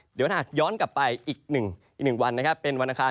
เดี๋ยวถ้าหากย้อนกลับไปอีก๑วันนะครับเป็นวันอาคาร